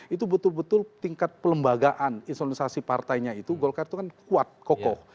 itu betul betul tingkat pelembagaan insonalisasi partainya itu golkar itu kan kuat kokoh